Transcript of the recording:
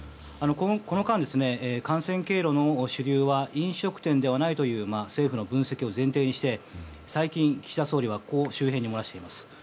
この間、感染経路の主流は飲食店ではないという政府の分析を前提として最近、岸田総理はこう周辺に漏らしています。